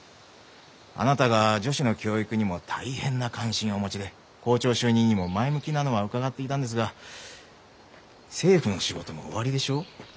あなたが女子の教育にも大変な関心をお持ちで校長就任にも前向きなのは伺っていたんですが政府の仕事もおありでしょう？